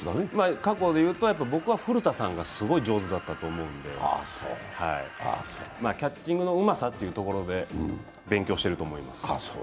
過去でいうと、僕は古田さんがすごい上手だったと思うんで、キャッチングのうまさというところで勉強してると思います。